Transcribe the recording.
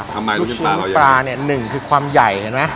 ทำไมลูกชิ้นปลาเราใหญ่ลูกชิ้นปลาเนี่ย๑คือความใหญ่เห็นไหม